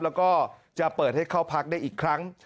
แล้วก็จะเปิดให้เข้าพักได้อีกครั้ง